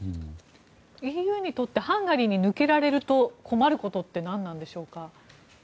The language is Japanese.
ＥＵにとってハンガリーに抜けられると困ることって何でしょうか。